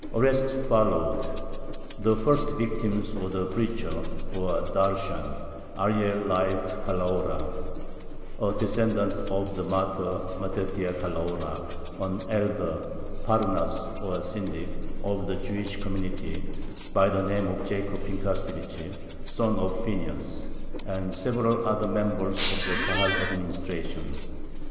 Arrests followed. The first victims were the preacher, or darshan, Arie Leib Calahora, a descendant of the martyr Mattathiah Calahora, an elder (parnas, or syndic) of the Jewish community, by the name of Jacob Pinkasevich (son of Phineas), and several other members of the Kahal administration.